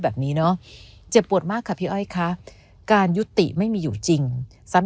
แบบนี้เนอะเจ็บปวดมากค่ะพี่อ้อยคะการยุติไม่มีอยู่จริงซ้ำ